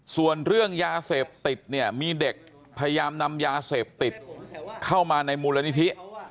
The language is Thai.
ส่วนเรื่องยาเสพติดเนี่ยมีเด็กพยายามนำยาเสพติดเข้ามาในมูลนิธิ